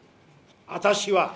私は！